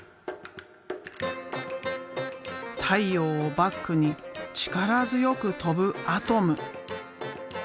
太陽をバックに力強く飛ぶアトム。